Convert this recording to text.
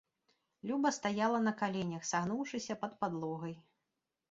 Люба стаяла на каленях, сагнуўшыся, пад падлогай.